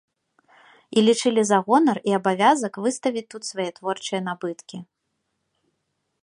І лічылі за гонар і абавязак выставіць тут свае творчыя набыткі.